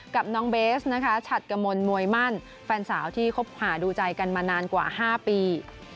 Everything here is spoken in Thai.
กับน้องเบสนะคะฉัดกมลมวยมั่นแฟนสาวที่คบหาดูใจกันมานานกว่า๕ปี